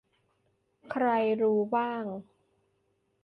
ใครรู้บ้าง